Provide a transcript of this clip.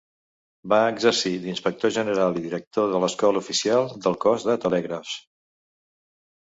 Va exercir d'Inspector general i Director de l'Escola Oficial del Cos de Telègrafs.